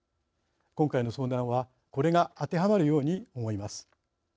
今回の遭難は、これがあてはまるように思います。